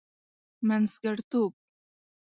منځګړتوب.